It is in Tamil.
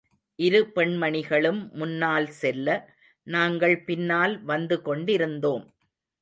இரு பெண்மணிகளும் முன்னால் செல்ல, நாங்கள் பின்னால் வந்து கொண்டிருந்தோம்.